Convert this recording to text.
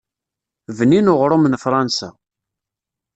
Bnin uɣṛum n Fṛansa.